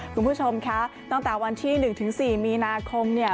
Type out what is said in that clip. คุณผู้ชมคะตั้งแต่วันที่๑ถึง๔มีนาคมเนี่ย